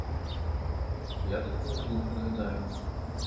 Я такога не прыгадаю.